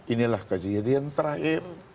inilah kejadian terakhir